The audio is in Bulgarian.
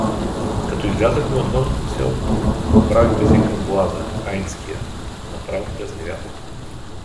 Като излязахме отвън селото, отправихме се към боаза (Хаинския), направо през нивята.